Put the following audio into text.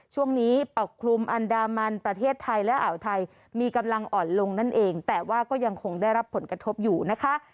ช่วงนี้ปกคลุมอันดามันประเทศไทยและอ่าวไทยมีกำลังอ่อนลงนั่นเองแต่ว่าก็ยังคงได้รับผลกระทบอยู่นะคะ